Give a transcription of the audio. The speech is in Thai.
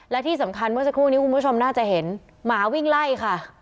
และที่สำคัญเมื่อสักครู่นี้คุณผู้ชมน่าจะเห็นหมาวิ่งไล่ค่ะ